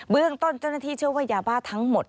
เรื่องต้นเจ้าหน้าที่เชื่อว่ายาบ้าทั้งหมด